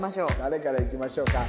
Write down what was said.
誰からいきましょうか。